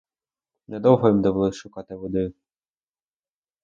Недовго їм довелось шукати води.